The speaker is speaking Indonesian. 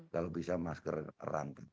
kalau bisa masker rangkit